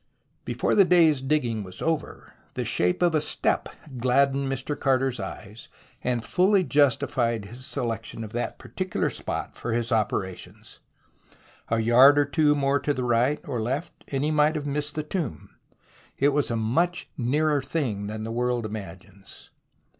Before the day's digging was over, the shape of a step gladdened Mr. Carter's eyes, and fully justified his selection of that par ticular spot for his operations. A yard or two more to the right or left, and he might have missed the tomb. It was a much nearer thing than the world imagines.